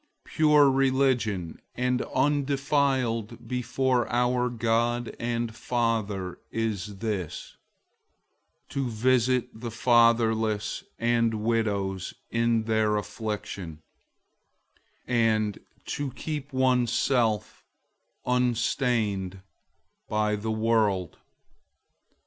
001:027 Pure religion and undefiled before our God and Father is this: to visit the fatherless and widows in their affliction, and to keep oneself unstained by the world.